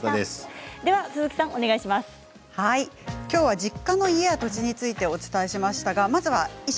きょうは実家の家や土地についてご紹介しました。